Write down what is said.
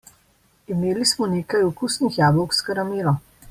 Imeli smo nekaj okusnih jabolk s karamelo.